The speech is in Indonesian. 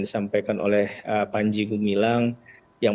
disampaikan oleh panji gumilang yang